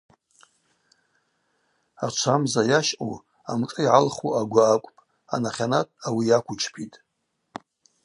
Ачвамза йащъу амшӏы йгӏалху агвы акӏвпӏ, анахьанат ауи йаквучпитӏ.